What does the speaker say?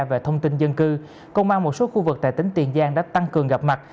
về thông tin dân cư công an một số khu vực tại tỉnh tiền giang đã tăng cường gặp mặt